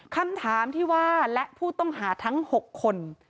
คำถามที่ว่าและผู้ต้องหาทั้ง๖คน